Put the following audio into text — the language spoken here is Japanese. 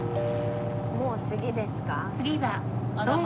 もう次ですか？